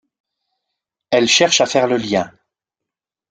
elle cherche à faire le lien.